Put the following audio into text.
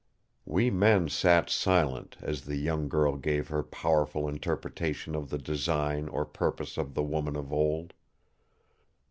We men sat silent, as the young girl gave her powerful interpretation of the design or purpose of the woman of old.